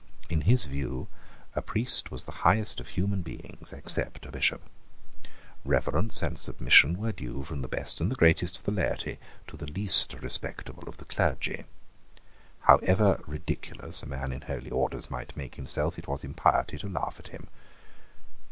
In his view, a priest was the highest of human beings, except a bishop. Reverence and submission were due from the best and greatest of the laity to the least respectable of the clergy. However ridiculous a man in holy orders might make himself, it was impiety to laugh at him.